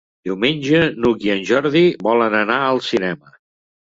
Diumenge n'Hug i en Jordi volen anar al cinema.